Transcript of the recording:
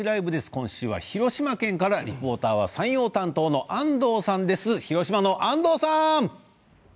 今週は広島県からリポーター山陽担当の安藤さんです。